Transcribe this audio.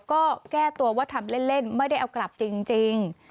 ก็แก้ตัวว่าทำเล่นไม่ได้เอากลับจริง